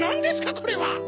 これは。